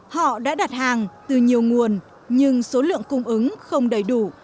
họ đã đặt hàng từ nhiều nguồn nhưng số lượng cung ứng không đầy đủ